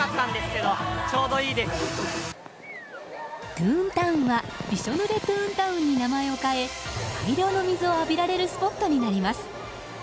トゥーンタウンはびしょ濡れトゥーンタウンに名前を変え大量の水を浴びられるスポットになります。